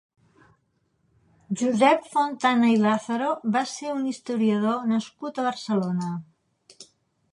Josep Fontana i Làzaro va ser un historiador nascut a Barcelona.